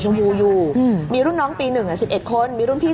ชงฮูอยู่อืมมีรุ่นน้องปีหนึ่งอ่ะสิบเอ็ดคนมีรุ่นพี่